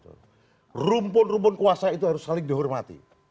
rumpun rumpun kuasa itu harus saling dihormati